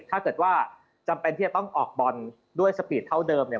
ถ้าเกิดว่าจำเป็นที่จะต้องออกบอลด้วยสปีดเท่าเดิมเนี่ย